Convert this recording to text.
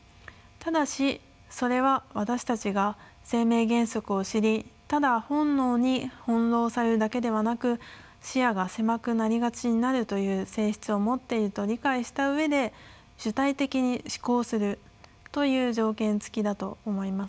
ただしそれは私たちが生命原則を知りただ本能に翻弄されるだけではなく視野が狭くなりがちになるという性質を持っていると理解した上で主体的に思考するという条件つきだと思います。